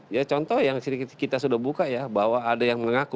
ya contoh yang kita sudah buka ya bahwa ada yang mengaku